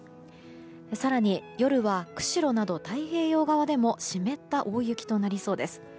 更に、夜は釧路など太平洋側でも湿った大雪となりそうです。